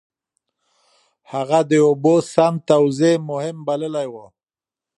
هغه د اوبو سم توزيع مهم بللی و.